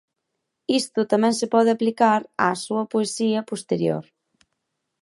Isto tamén se pode aplicar á súa poesía posterior.